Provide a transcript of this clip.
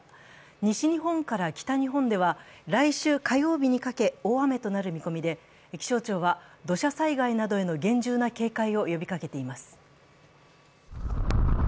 西日本から北日本では来週火曜日にかけ大雨となる見込みで、気象庁は土砂災害などへの厳重な警戒を呼びかけています。